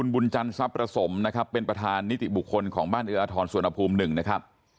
บุญจันทร์ทรัพย์ประสมนะครับเป็นประธานนิติบุคคลของบ้านเอื้ออทรสวนภูมิ๑นะครับ